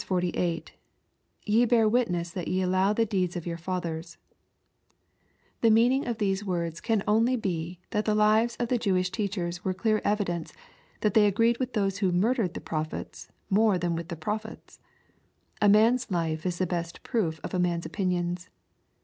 —[ Te hear untness that ye allow the deeds of your fatJiersJl The meaning of these words can only be that the Uvea of the Jewish teachers were clear evidence that they agreed with those who murdered the prophets more than with the prophets. A man's life is the best proof of a man's opinions.